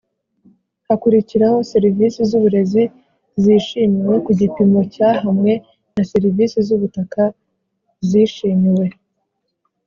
Hakurikiraho serivisi z uburezi zishimiwe ku gipimo cya hamwe na serivisi z ubutaka zishimiwe